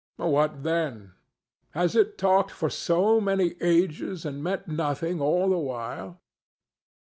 What, then? Has it talked for so many ages and meant nothing all the while?